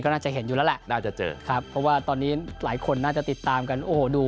ก็น่าจะเห็นอยู่แล้วล่ะน่าจะเจอครับเพราะว่าตัวนี้หลายคนน่าจะติดตามกัน